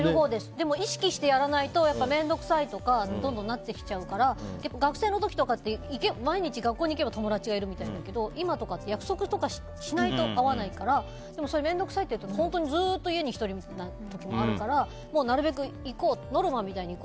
でも意識してやらないと面倒くさいとかなってきちゃうから学生の時は毎日学校に行けば友達がいるけど今とかって約束とかしないと会わないから面倒くさいっていうとずっと１人で家にいる時もあるからなるべく行こうってノルマみたいに。